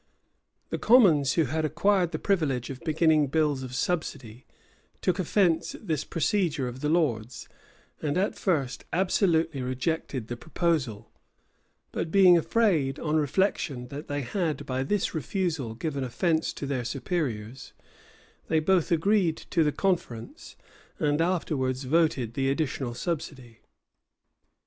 The commons, who had acquired the privilege of beginning bills of subsidy, took offence at this procedure of the lords, and at first absolutely rejected the proposal: but being afraid, on reflection, that they had by this refusal given offence to their superiors, they both agreed to the conference, and afterwards voted the additional subsidy.